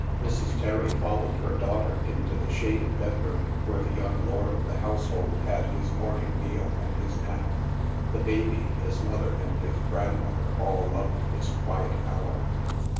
Mrs. Terry followed her daughter into the shaded bedroom where the young lord of the household had his morning meal and his nap. The baby, his mother, and his grandmother, all loved this quiet hour.